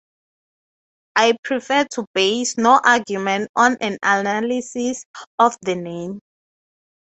I prefer to base no argument on an analysis of the name.